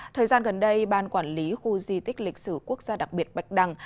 thời gian gần đây ban quản lý khu di tích lịch sử quốc gia đặc biệt bạch đằng